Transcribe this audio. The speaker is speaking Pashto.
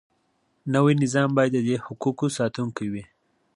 نوی نظام باید د دې حقوقو ساتونکی وي.